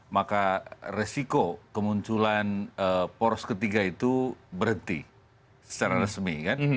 maka resiko kemunculan poros ketiga itu berhenti secara resmi